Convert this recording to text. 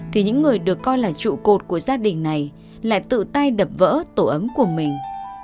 thì những người được coi là trụ cột của gia đình này lại tự tay đập vỡ tổ ấm của mình